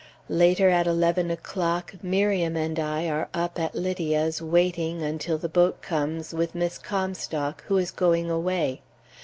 Later, at eleven o'clock, Miriam and I are up at Lydia's waiting (until the boat comes) with Miss Comstock who is going away.